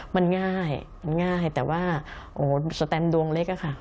มันง่ายแต่ว่าสแตมดวงเล็กค่ะค่ะ